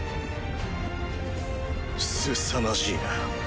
すさまじいな。